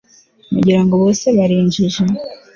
mugira ngo bose bari injiji